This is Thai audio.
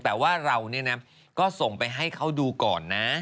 แต่ว่าเราเนี่ยนะก็ส่งไปให้เขาดูก่อนนะ